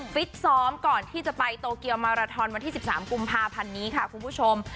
ฟิตซ้อมก่อนที่จะไปโตเกียวมาราทอนวันที่๑๓กุมภาพันธ์นี้ค่ะคุณผู้ชม